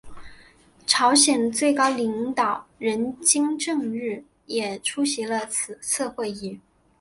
朝鲜最高领导人金正日也出席了此次会议。